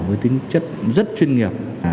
với tính chất rất chuyên nghiệp